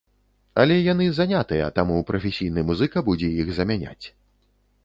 Але яны занятыя, таму прафесійны музыка будзе іх замяняць.